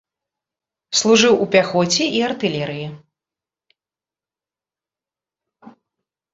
Служыў у пяхоце і артылерыі.